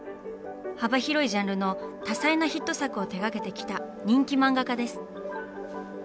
幅広いジャンルの多彩なヒット作を手がけてきた人気漫画家です。